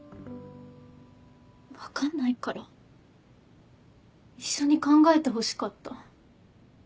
分かんないから一緒に考えてほしかった。